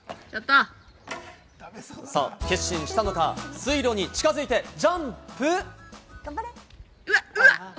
決心したのか、水路に近づいてジャンプ。